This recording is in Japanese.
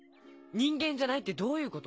人間じゃないってどういうこと？